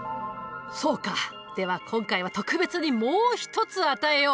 そうかでは今回は特別にもう一つ与えよう。